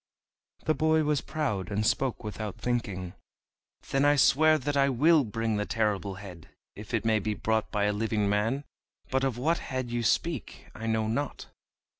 The boy was proud, and spoke without thinking: "Then I swear that I will bring the Terrible Head, if it may be brought by a living man. But of what head you speak I know not."